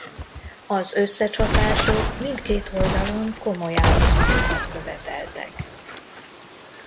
Az összecsapások mindkét oldalon komoly áldozatokat követeltek.